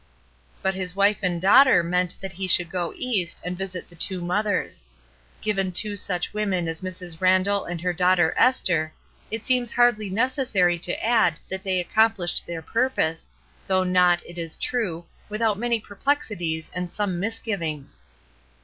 But his wife and daughter meant that he should go East and visit the two mothers. Given two such women as Mrs. Randall and her daughter Esther, it seems hardly necessary to add that they accomplished their purpose, though not, it is true, without many perplexities and some misgivings.